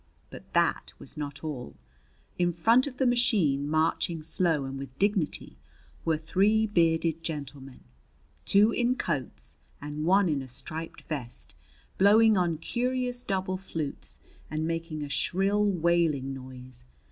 But that was not all. In front of the machine, marching slowly and with dignity, were three bearded gentlemen, two in coats and one in a striped vest, blowing on curious double flutes and making a shrill wailing noise.